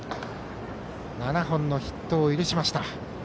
７本のヒットを許しました。